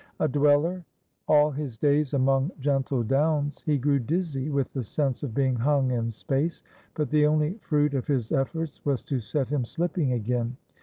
A dweller all his days among lOI GREECE gentle downs, he grew dizzy with the sense of being hung in space. But the only fruit of his efforts was to set him slipping again.